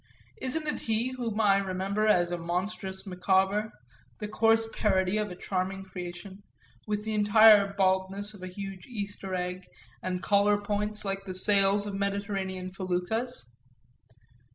Isn't it he whom I remember as a monstrous Micawber, the coarse parody of a charming creation, with the entire baldness of a huge Easter egg and collar points like the sails of Mediterranean feluccas?